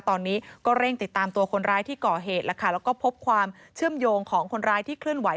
ตอนนี้ก็เร่งติดตามตัวคนร้ายที่ก่อเหตุแล้วค่ะแล้วก็พบความเชื่อมโยงของคนร้ายที่เคลื่อนไห